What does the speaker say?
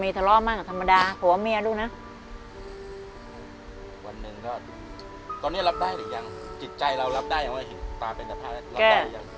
จิตใจเรารับได้หรือยังว่าเห็นตาเป็นภาพรับได้หรือยัง